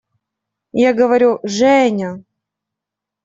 Я говорю: «Женя…»